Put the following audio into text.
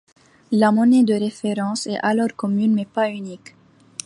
La monnaie de référence est alors commune, mais pas unique.